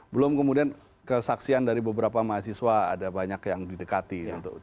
belum kemudian kesaksian dari beberapa mahasiswa ada banyak yang didekati